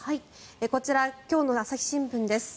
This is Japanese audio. こちら今日の朝日新聞です。